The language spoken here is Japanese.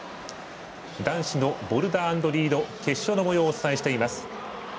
男子のボルダー＆リード決勝のもようをお伝えしています。